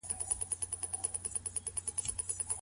قاضي په کوم حالت کي د تفريق حکم کوي؟